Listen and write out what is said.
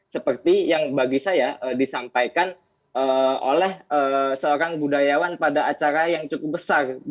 seperti yang bagi saya disampaikan oleh seorang budayawan pada acara yang cukup besar